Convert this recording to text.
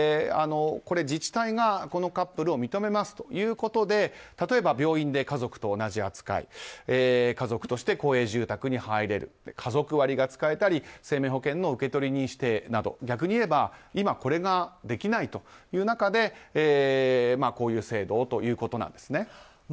これは自治体がこのカップルを認めますということで例えば、病院で家族と同じ扱い家族として公営住宅に入れる家族割が使えたり生命保険の受取人指定など逆に言えば今これができないという中でこういう制度をということです。